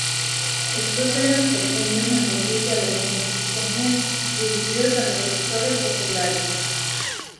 Estos eran pequeños negocios de alojamiento y comida dirigidos a los sectores populares.